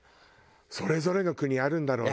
それぞれの国あるんだろうね。